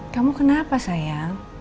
kamu kenapa sayang